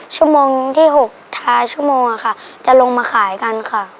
ชั่วโมงที่๖ทาชั่วโมงค่ะจะลงมาขายกันค่ะ